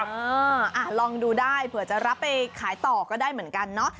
เออลองดูได้เผื่อจะรับไปขายต่อก็ได้เหมือนกันเนาะ